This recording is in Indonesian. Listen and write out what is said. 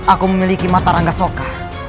aku memiliki mata rangga soka